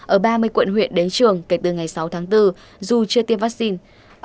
ở ba mươi quận huyện đến trường kể từ ngày sáu tháng bốn dù chưa tiêm vaccine